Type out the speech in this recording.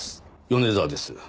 米沢です。